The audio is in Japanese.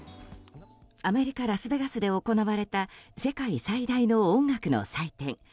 アメリカ・ラスベガスで行われた世界最大の音楽の祭典